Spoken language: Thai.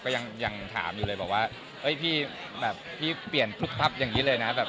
ก็ยังถามอยู่เลยบอกว่าพี่แบบพี่เปลี่ยนพุบพับอย่างนี้เลยนะ